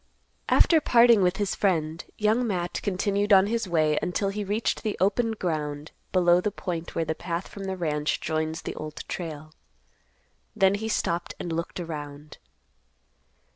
After parting with his friend, Young Matt continued on his way until he reached the open ground below the point where the path from the ranch joins the Old Trail. Then he stopped and looked around.